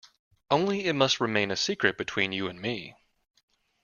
Only it must remain a secret between you and me.